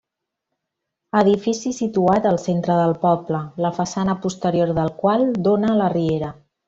Edifici situat al centre del poble, la façana posterior del qual dóna a la riera.